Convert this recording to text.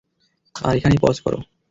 আর এখানেই পজ করো।